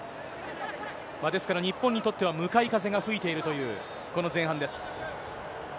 ですから、日本にとっては向かい風が吹いているという、この前半です。